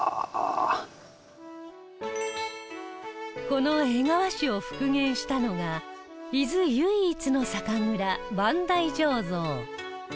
この江川酒を復元したのが伊豆唯一の酒蔵万大醸造